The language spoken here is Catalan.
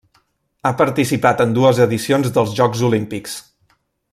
Ha participat en dues edicions dels Jocs Olímpics.